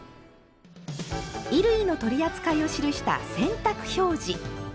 衣類の取り扱いを記した「洗濯表示」。